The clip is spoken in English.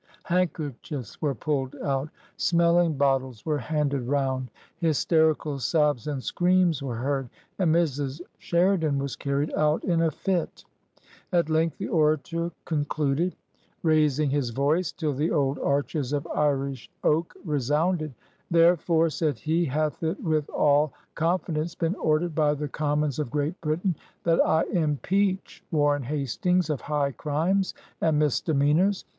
Handkerchiefs were pulled out; smelling bottles were handed round; hysterical sobs and screams were heard; and Mrs. Sheri dan was carried out in a fit. At length the orator con cluded. Raising his voice till the old arches of Irish oak resounded, "Therefore," said he, ''hath it with all con fidence been ordered by the Commons of Great Britain, that I impeach Warren Hastings of high crimes and misdemeanors.